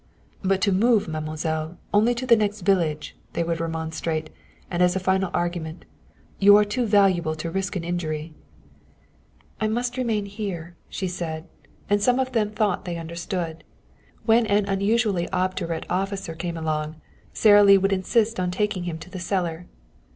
"But to move, mademoiselle, only to the next village!" they would remonstrate, and as a final argument: "You are too valuable to risk an injury." "I must remain here," she said. And some of them thought they understood. When an unusually obdurate officer came along, Sara Lee would insist on taking him to the cellar.